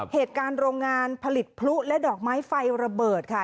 โรงงานผลิตพลุและดอกไม้ไฟระเบิดค่ะ